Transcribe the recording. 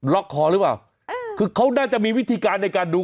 ล็อกคอหรือเปล่าคือเขาน่าจะมีวิธีการในการดู